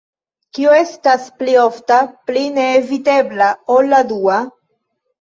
Kio estas pli ofta, pli neevitebla ol la dua?